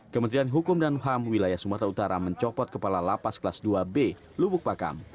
kementerian hukum dan ham wilayah sumatera utara mencopot kepala lapas kelas dua b lubuk pakam